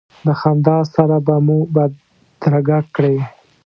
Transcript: د خندا سره به مو بدرګه کړې.